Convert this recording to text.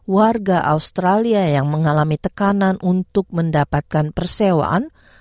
warga australia yang mengalami tekanan untuk mendapatkan persewaan